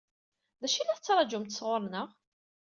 D acu i la tettṛaǧumt sɣur-neɣ?